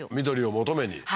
緑を求めに？